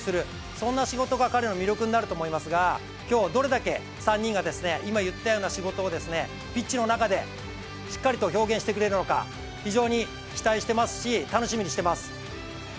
そんな仕事が彼の魅力になると思いますが今日、どれだけ３人が今言ったような仕事をピッチの中でしっかりと表現してくれるのか非常に期待してますし楽しみにしてます。